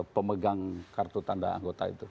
pemegang kartu tanda anggota itu